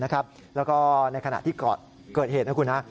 แล้วก็ในขณะที่เกิดเหตุนะคุณนะ